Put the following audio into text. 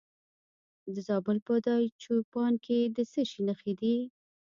د زابل په دایچوپان کې د څه شي نښې دي؟